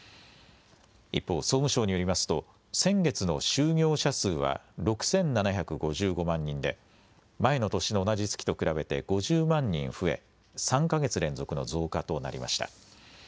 一方、総務省によりますと、先月の就業者数は６７５５万人で、前の年の同じ月と比べて５０万人増え、３か月連続の増加となりました。